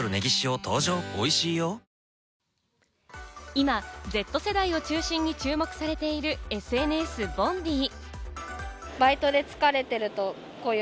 今、Ｚ世代を中心に注目されているＳＮＳ、Ｂｏｎｄｅｅ。